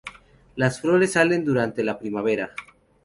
Las flores salen durante la primavera.